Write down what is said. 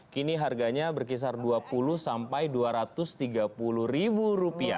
kini harganya berkisar dua puluh sampai dua ratus tiga puluh ribu rupiah